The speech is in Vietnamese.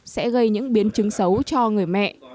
sẽ gây những biến chứng xấu cho người mẹ